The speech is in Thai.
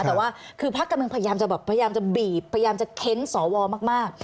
แต่ว่าคือพักกันเมืองพยายามจะบีบพยายามจะเค้นสอวมาก